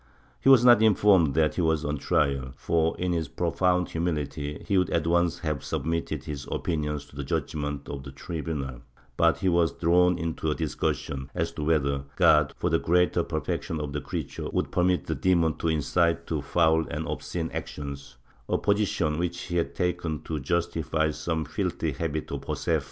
He was not informed that he was on trial for, in his profound humility, he would at once have submitted his opinions to the judgement of the tribunal, but he was drawn into a discussion as to whether God, for the greater perfection of the creature, would permit the demon to incite to foul and obscene actions — a position which he had taken to justify some filthy habits of Josefa.